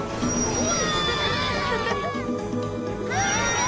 うわ！